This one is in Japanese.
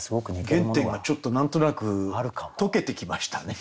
原点がちょっと何となく解けてきましたね。